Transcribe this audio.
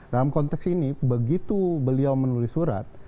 dalam konteks ini begitu beliau menulis surat